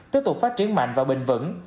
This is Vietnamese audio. tiếp tục phát triển mạnh và bình vẩn